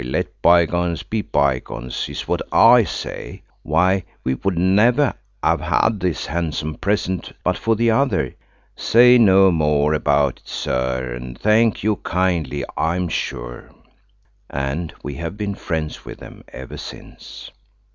let bygones be bygones is what I say! Why, we wouldn't never have had this handsome present but for the other. Say no more about it, sir, and thank you kindly, I'm sure." And we have been friends with them ever since.